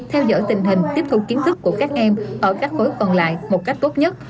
theo dõi tình hình tiếp thu kiến thức của các em ở các khối còn lại một cách tốt nhất